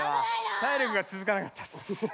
体力がつづかなかったっす。